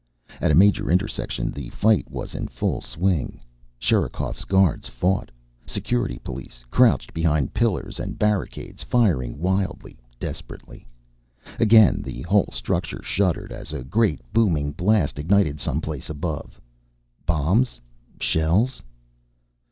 At a major intersection the fight was in full swing. Sherikov's guards fought Security police, crouched behind pillars and barricades, firing wildly, desperately. Again the whole structure shuddered as a great booming blast ignited some place above. Bombs? Shells?